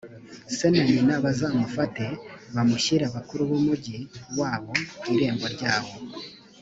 se na nyina bazamufate, bamushyire abakuru b’umugi wabo ku irembo ryawo.